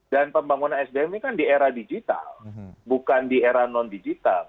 dan pembangunan sdm ini kan di era digital bukan di era non digital